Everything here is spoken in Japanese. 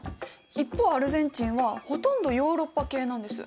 一方アルゼンチンはほとんどヨーロッパ系なんです。